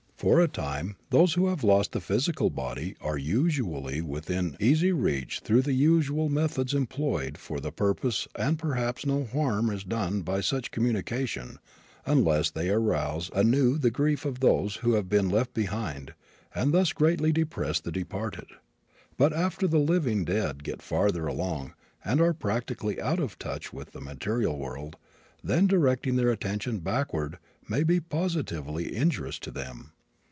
For a time those who have lost the physical body are usually within easy reach through the usual methods employed for the purpose and perhaps no harm is done by such communications unless they arouse anew the grief of those who have been left behind and thus greatly depress the departed. But after the living dead get farther along, and are practically out of touch with the material world, then directing their attention backward may be positively injurious to them.